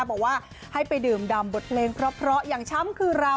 บอกว่าให้ไปดื่มดำบทเพลงเพราะอย่างช้ำคือเรา